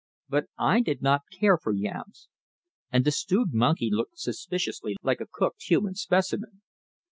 But I did not care for yams, and the stewed monkey looked suspiciously like a cooked human specimen.